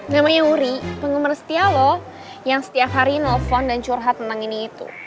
namanya uri penggemar setia loh yang setiap hari nelfon dan curhat tentang ini itu